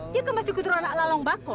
dia kan masih keturunan lalung bakok